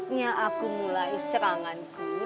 karena aku mulai seranganku